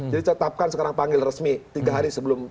jadi tetapkan sekarang panggilan resmi tiga hari sebelum